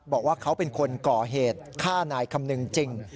บอกว่าเขาเป็นคนก่อเหตุฆ่านายคำนึงจริง